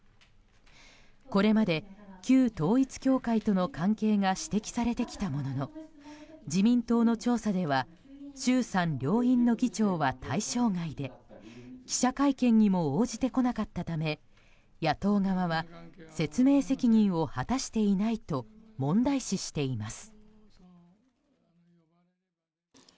これまで旧統一教会との関係が指摘されてきたものの自民党の調査では衆参両院の議長は対象外で記者会見にも応じてこなかったため野党側は、説明責任を果たしていないと問題視しています。